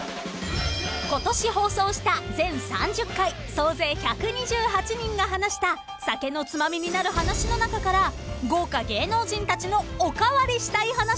［今年放送した全３０回総勢１２８人が話した酒のツマミになる話の中から豪華芸能人たちの］